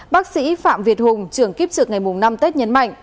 bác sĩ phạm việt hùng trưởng kiếp trực ngày năm tết nhấn mạnh